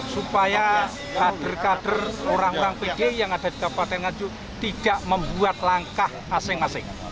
supaya kader kader orang orang pdip yang ada di kapolres nganjuk tidak membuat langkah asing asing